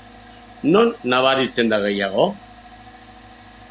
Non nabaritzen da gehiago?